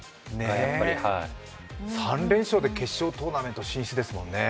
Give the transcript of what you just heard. ３連勝で決勝トーナメント進出ですもんね。